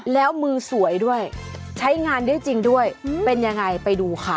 แล้วมือสวยด้วยใช้งานได้จริงด้วยเป็นยังไงไปดูค่ะ